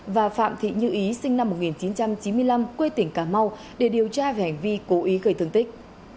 và phạm thị như ý sinh năm một nghìn chín trăm chín mươi năm quê tỉnh cà mau để điều tra về hành vi cố ý gây thương tích